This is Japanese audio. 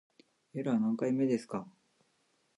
エラー何回目ですか